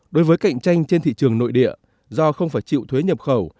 đối với cạnh tranh trên thị trường nội địa do không phải chịu thuế nhập khẩu